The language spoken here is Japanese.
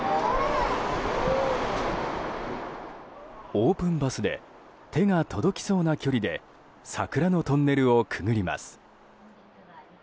オープンバスで手が届きそうな距離で桜のトンネルをくぐります。